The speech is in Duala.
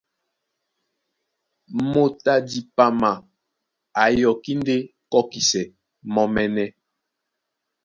Moto a dipama a yɔkí ndé kɔ́kisɛ mɔ́mɛ́nɛ́.